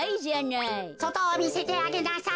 そとをみせてあげなさい。